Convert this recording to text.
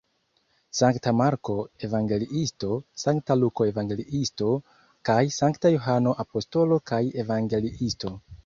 Sankta Marko evangeliisto, Sankta Luko evangeliisto kaj Sankta Johano apostolo kaj evangeliisto.